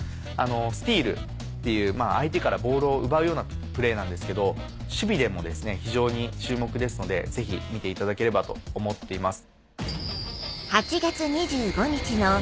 スティールっていう相手からボールを奪うようなプレーなんですけど守備でも非常に注目ですのでぜひ見ていただければと思っています。